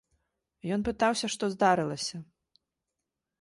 Ён пытаўся, што здарылася.